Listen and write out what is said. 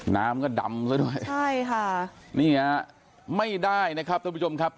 น้ำก็ดำแล้วด้วยนี่ครับไม่ได้นะครับทุกผู้ชมครับ